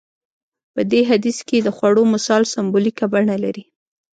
په دې حديث کې د خوړو مثال سمبوليکه بڼه لري.